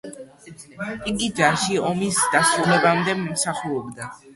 იგი ჯარში ომის დასრულებამდე მსახურობდა.